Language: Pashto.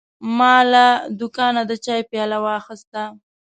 ما له دوکانه د چای پیاله واخیسته.